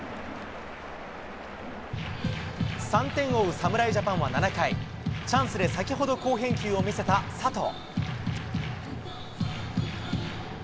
３点を追う侍ジャパンは７回、チャンスで先ほど好返球を見せた佐藤。